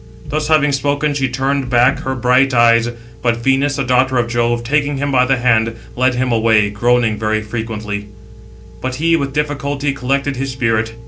Thus having spoken, she turned back her bright eyes. But Venus, the daughter of Jove, taking him by the hand, led him away, groaning very frequently; but he with difficulty collected his spirit.